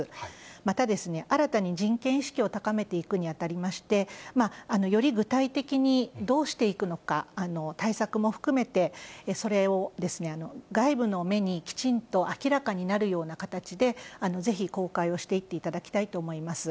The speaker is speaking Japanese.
また、新たに人権意識を高めていくにあたりまして、より具体的にどうしていくのか、対策も含めてそれを外部の目にきちんと明らかになるような形で、ぜひ公開をしていっていただきたいと思います。